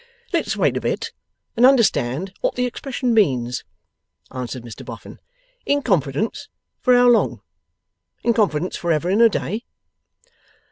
'Let's wait a bit and understand what the expression means,' answered Mr Boffin. 'In confidence for how long? In confidence for ever and a day?